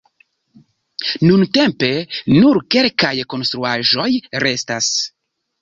Nuntempe nur kelkaj konstruaĵoj restas.